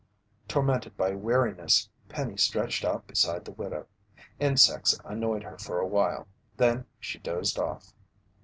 Tormented by weariness, Penny stretched out beside the widow. Insects annoyed her for awhile. Then she dozed off.